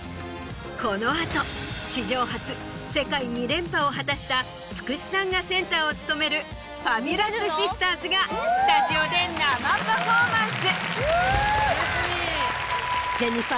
この後史上初世界２連覇を果たしたつくしさんがセンターを務める ＦａｂｕｌｏｕｓＳｉｓｔｅｒｓ がスタジオで生パフォーマンス。